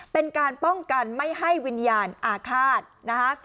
เป็นการป้องกันไม่ให้วิญญาณอาฆาตนะคะ